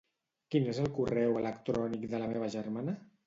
Quin és el correu electrònic de la meva germana?